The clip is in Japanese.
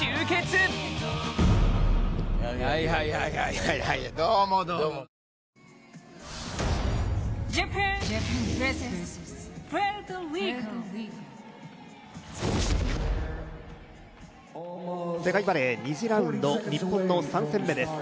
世界バレー、２次ラウンド、日本の３戦目です。